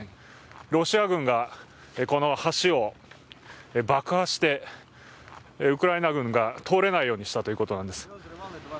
ロシア軍がこの橋を爆破してウクライナ軍が通れないようにしたということなんです。